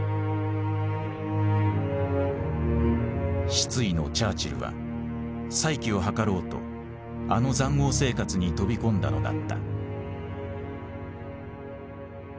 失意のチャーチルは再起を図ろうとあの塹壕生活に飛び込んだのだった。